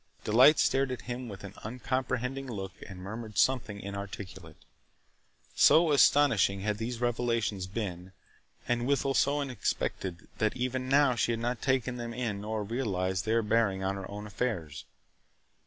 Delight stared at him with an uncomprehending look and murmured something inarticulate. So astonishing had these revelations been and withal so unexpected that even now she had not yet taken them in nor realized their bearing on her own affairs.